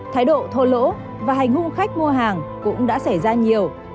thái độ thô lỗ và hành hung khách mua hàng cũng đã xảy ra nhiều